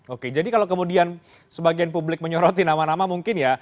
oke jadi kalau kemudian sebagian publik menyoroti nama nama mungkin ya